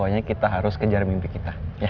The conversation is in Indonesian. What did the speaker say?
pokoknya kita harus kejar mimpi kita